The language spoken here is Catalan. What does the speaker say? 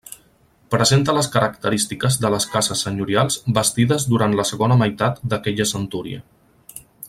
Presenta les característiques de les cases senyorials bastides durant la segona meitat d'aquella centúria.